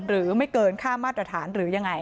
หรือไม่เกินค่ามาตรฐานหรือยังไง